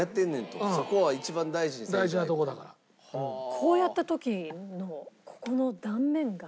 こうやった時のここの。